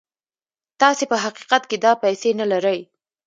تاسې په حقيقت کې دا پيسې نه لرئ.